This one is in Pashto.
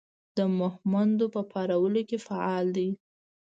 د مهمندو په پارولو کې فعال دی.